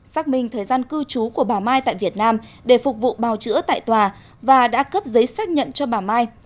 xác minh thời gian cư trú của bà mai tại việt nam để phục vụ bào chữa tại tòa và đã cấp giấy xác nhận cho bà mai